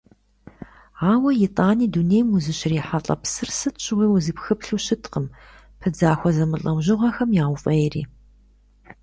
Ауэ итӀани дунейм узыщрихьэлӀэ псыр сыт щыгъуи узыпхыплъу щыткъым, пыдзахуэ зэмылӀэужьыгъуэхэм яуфӀейри.